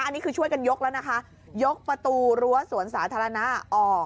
อันนี้คือช่วยกันยกแล้วนะคะยกประตูรั้วสวนสาธารณะออก